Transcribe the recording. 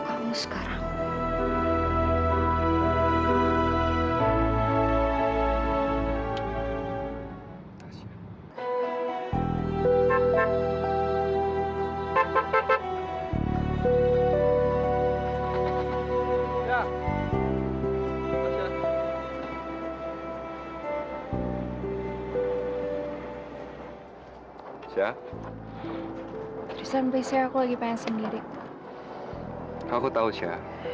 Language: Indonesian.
dan kalau emang kamu peduli sama tasya